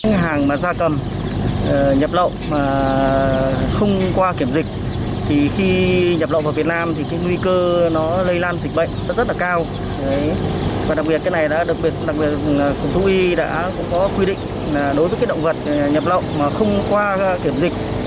giảng sáng ngày hai mươi tám tháng chín trong quá trình thực hiện nhiệm vụ tuần tra kiểm soát